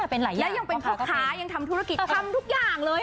เป็นหลายอย่างแล้วยังเป็นภพค้ายังทำธุรกิจทำทุกอย่างเลย